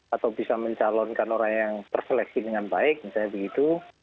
atau bisa mencalonkan orang yang terseleksi dengan baik misalnya begitu